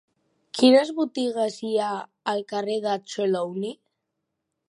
Quines botigues hi ha al carrer de Trelawny?